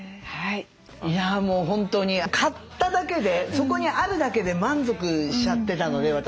いやもう本当に買っただけでそこにあるだけで満足しちゃってたので私は。